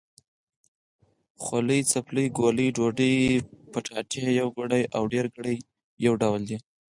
خولۍ، څپلۍ، ګولۍ، ډوډۍ، کچالو... يوګړی او ډېرګړي يو ډول دی.